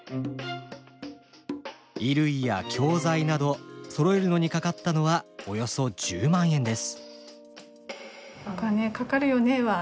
衣類や教材などそろえるのにかかったのはおよそ１０万円です。